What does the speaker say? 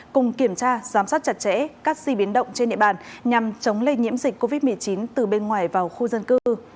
cùng kiểm tra giám sát chặt chẽ các di biến động trên địa bàn nhằm chống lây nhiễm dịch covid một mươi chín từ bên ngoài vào khu dân cư